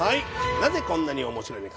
なぜこんなに面白いのか。